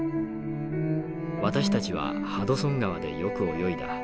私たちはハドソン川でよく泳いだ。